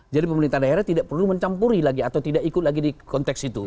jadi pemerintahan daerah tidak perlu mencampuri lagi atau tidak ikut lagi di konteks itu